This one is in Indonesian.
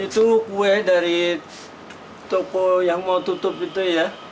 itu kue dari toko yang mau tutup itu ya